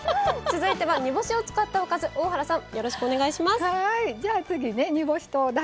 続いては煮干しを使ったおかず大原さん